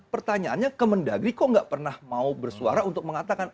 pertanyaannya kemendagri kok nggak pernah mau bersuara untuk mengatakan